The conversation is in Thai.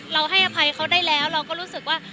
ให้อภัยเขาได้แล้วเราก็รู้สึกว่า